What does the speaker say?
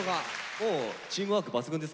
もうチームワーク抜群ですから。